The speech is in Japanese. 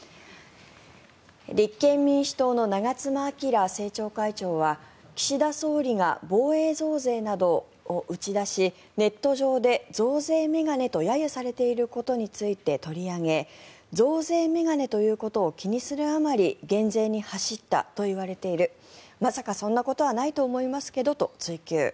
立憲民主党の長妻昭政調会長は岸田総理が防衛増税などを打ち出しネット上で増税メガネと揶揄されていることについて取り上げ増税メガネということを気にするあまり減税に走ったといわれているまさかそんなことはないと思いますけどと追及。